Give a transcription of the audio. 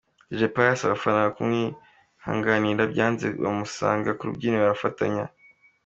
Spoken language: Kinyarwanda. Dj Pius abafana kumwihanganira byanze bamusanga ku rubyiniro barafatanya.